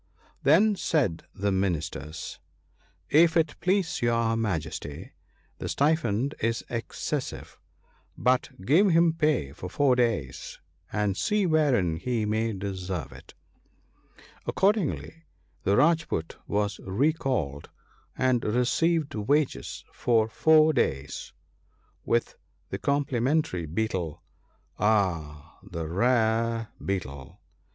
Then said the Ministers, ' If it please your Majesty, the stipend is excessive, but give him pay for four days, and see wherein he may deserve it/ Accordingly, the Raj poot was recalled, and received wages for four days, with the complimentary betel ( 91 ).— Ah ! the rare betel !